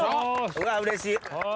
うわうれしい。